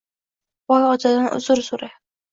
Boy otadan uzr so‘ra